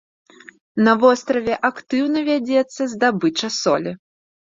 На востраве актыўна вядзецца здабыча солі.